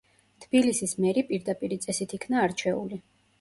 თბილისის მერი პირდაპირი წესით იქნა არჩეული.